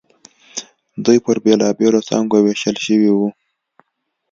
دوی پر بېلابېلو څانګو وېشل شوي وو.